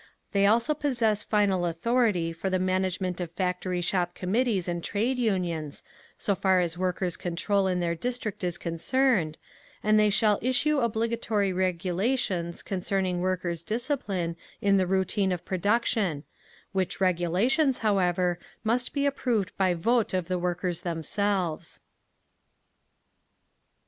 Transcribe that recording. They also possess final authority for the management of Factory Shop Committees and Trade Unions, so far as Workers' Control in their district is concerned, and they shall issue obligatory regulations concerning workers' discipline in the routine of production—which regulations, however, must be approved by vote of the workers themselves.